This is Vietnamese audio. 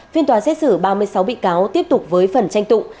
phiên tòa xét xử ba mươi sáu bị cáo tiếp tục với phần tranh tụ